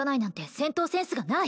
戦闘センスがない